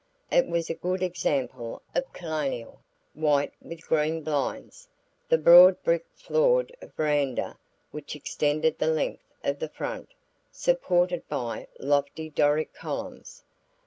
It was a good example of colonial white with green blinds, the broad brick floored veranda, which extended the length of the front, supported by lofty Doric columns.